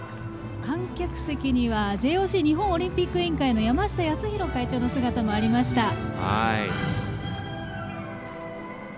観客席には日本オリンピック委員会の山下泰裕会長の姿もありました。